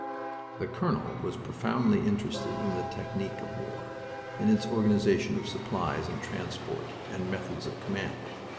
The colonel was profoundly interested in the technic of war, in its organization of supplies and transport, and methods of command.